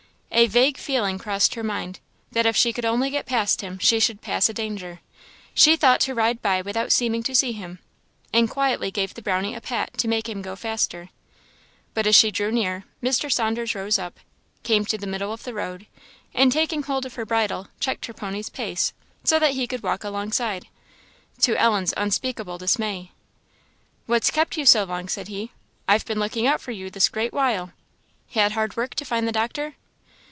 A vague feeling crossed her mind, that if she could only get past him she should pass a danger; she thought to ride by without seeming to see him, and quietly gave the Brownie a pat to make him go faster. But as she drew near, Mr. Saunders rose up, came to the middle of the road, and taking hold of her bridle, checked her pony's pace so that he could walk alongside to Ellen's unspeakable dismay. "What's kept you so long?" said he "I've been looking out for you this great while. Had hard work to find the doctor?"